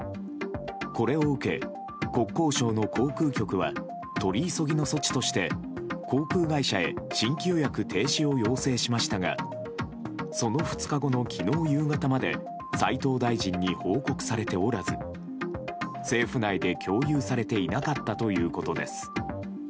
これを受け、国交省の航空局は取り急ぎの措置として航空会社へ新規予約停止を要請しましたがその２日後の昨日夕方まで斉藤大臣に報告されておらず政府内で共有されていなかったということです。